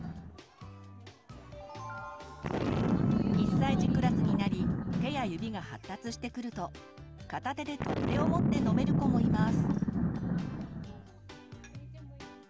１歳児クラスになり手や指が発達してくると片手で取っ手をもって飲める子もいます。